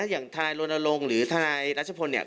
อย่างทนายรณรงค์หรือทนายรัชพลเนี่ย